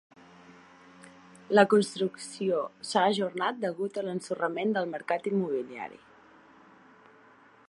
La construcció s'ha ajornat degut a l'ensorrament del mercat immobiliari.